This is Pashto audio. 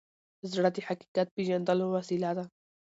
زړه د حقیقت پیژندلو وسیله ده.